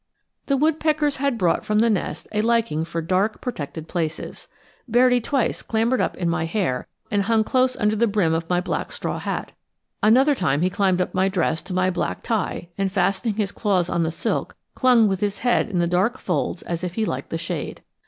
The woodpeckers had brought from the nest a liking for dark, protected places. Bairdi twice clambered up my hair and hung close under the brim of my black straw hat. Another time he climbed up my dress to my black tie and, fastening his claws in the silk, clung with his head in the dark folds as if he liked the shade.